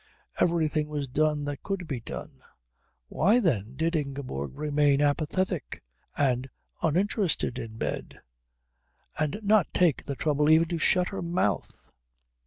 Everything was done that could be done; why then did Ingeborg remain apathetic and uninterested in bed, and not take the trouble even to shut her mouth?